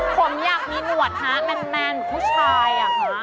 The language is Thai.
ผมอยากมีหนวดฮะแมนผู้ชาย